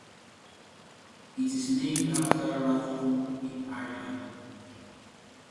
It is named after Rathdrum in Ireland.